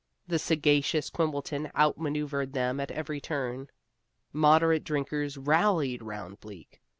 The sagacious Quimbleton outmaneuvered them at every turn. Moderate drinkers rallied round Bleak.